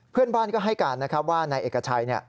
เพื่อนบ้านก็ให้การนะครับว่านายเอกชัย